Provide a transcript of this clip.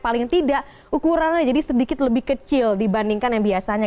paling tidak ukurannya jadi sedikit lebih kecil dibandingkan yang biasanya